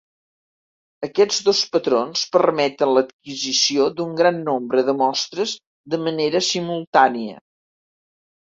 Aquests dos patrons permeten l'adquisició d'un gran nombre de mostres de manera simultània.